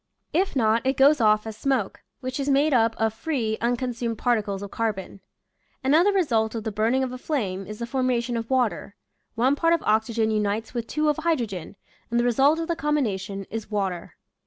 If not, it goes off as smoke, which is made up of free (unconsumed) particles of carbon. Another result of the burning of a flame is the formation of water — one part of oxygen unites with two of hydrogen, and the result of the combination is water.